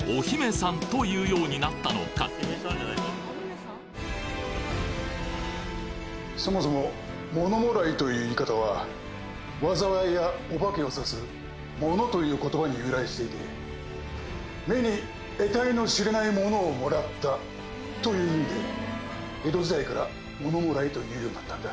ではそもそもものもらいという言い方は災いやおばけをさす「もの」という言葉に由来していて目に得体の知れないものをもらったという意味で江戸時代からものもらいと言うようになったんだ。